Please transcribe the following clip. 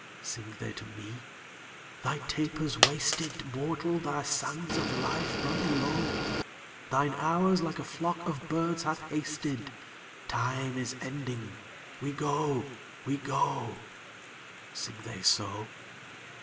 Sing they to me? 'Thy taper's wasted; Mortal, thy sands of life run low; Thine hours like a flock of birds have hasted: Time is ending; we go, we go.' Sing they so?